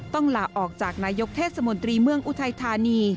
ต้องลาออกจากนายกเทศมนตรีเมืองอุทัยธานี